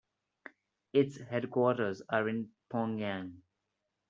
Its headquarters are in Pyongyang.